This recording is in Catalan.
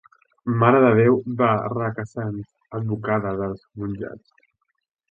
Mare de Déu de Requesens, advocada dels mongets.